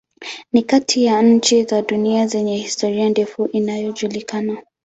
Ni kati ya nchi za dunia zenye historia ndefu inayojulikana.